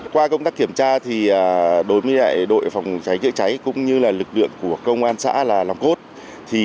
qua công tác kiểm tra đối với đội phòng cháy chữa cháy cũng như lực lượng của công an xã là lòng cốt